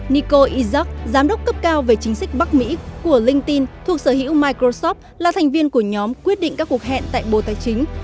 nico izak giám đốc cấp cao về chính sách bắc mỹ của linhtin thuộc sở hữu microsoft là thành viên của nhóm quyết định các cuộc hẹn tại bộ tài chính